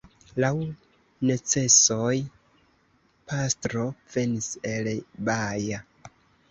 Laŭ necesoj pastro venis el Baja.